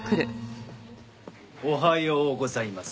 おはようございます。